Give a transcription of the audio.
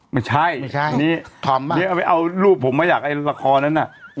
ใครแหละนี่ไงเไม่ใช่เนี่ยอัปดาห์เอารูปผมมาอยากรีวิธีให้ละคร